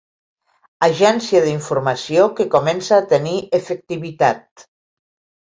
Agència d'informació que comença a tenir efectivitat.